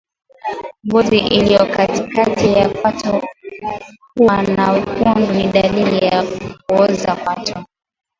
Ngozi iliyo katikati ya kwato kuwa na wekundu ni dalili ya kuoza kwato